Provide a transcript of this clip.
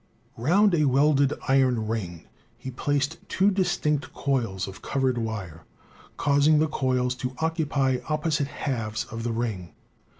Round a welded iron ring he placed two distinct coils of covered wire, causing the coils to occupy opposite halves of the ring.